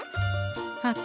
はて？